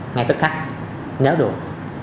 ngay tức khắc nếu được